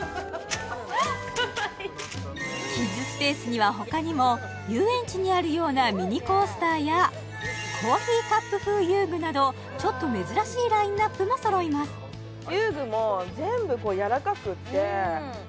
キッズスペースには他にも遊園地にあるようなミニコースターやコーヒーカップ風遊具などちょっと珍しいラインナップもそろいますそうですね